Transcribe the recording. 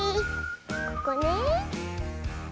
ここねえ。